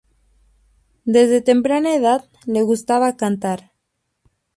Desde temprana edad le gustaba cantar.